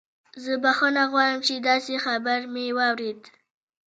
زه بخښنه غواړم چې داسې خبر مې واورید